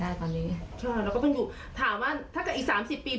ถามว่าถ้าเกิดอีกสามสิบปีพี่คงจะมีรแรมวิ่งไหม